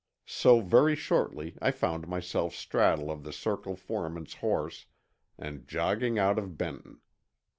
So very shortly I found myself straddle of the Circle foreman's horse and jogging out of Benton.